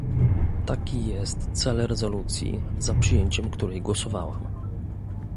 Taki jest cel rezolucji, za przyjęciem której głosowałam